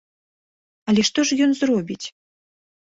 Але што ж ён зробіць?